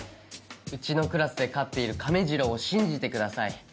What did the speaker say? うちのクラスで飼っている亀治郎を信じてください。